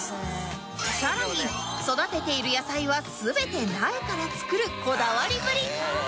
さらに育てている野菜は全て苗から作るこだわりぶり！